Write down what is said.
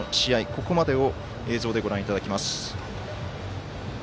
ここまでを映像でご覧いただきます。